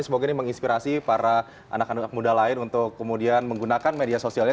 semoga ini menginspirasi para anak anak muda lain untuk kemudian menggunakan media sosialnya